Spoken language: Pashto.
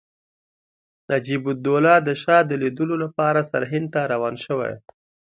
نجیب الدوله د شاه د لیدلو لپاره سرهند ته روان شوی.